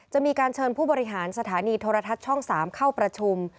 จะมีการเชิญผู้บริหารสถานีโทรทัศน์ช่อง๓เข้าประชุม